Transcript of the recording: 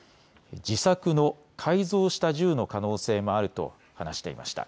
自作の改造した銃の可能性もあると話していました。